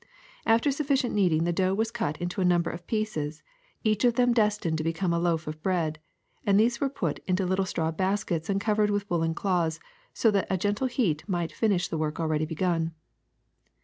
After sufficient kneading the dough was cut into a number of pieces, each of them destined to become a loaf of bread, and these were put into little straw baskets and covered with woolen cloths so that a gentle heat might finish the work already begun.